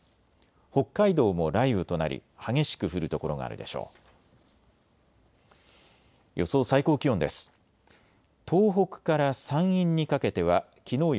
北海道も雷雨となり激しく降る所があるでしょう。